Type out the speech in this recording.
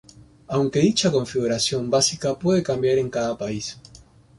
Aunque dicha configuración básica puede cambiar en cada país.